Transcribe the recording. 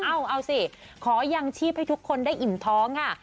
เอาเอาสิขอยังชีพให้ทุกคนได้อิ่มท้องค่ะ